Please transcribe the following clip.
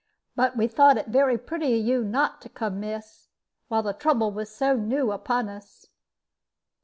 But we thought it very pretty of you not to come, miss, while the trouble was so new upon us."